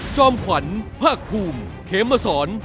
จอมขวัญภาคภูมิเขมสอน